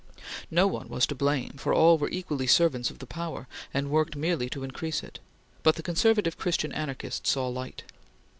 No one was to blame, for all were equally servants of the power, and worked merely to increase it; but the conservative Christian anarchist saw light.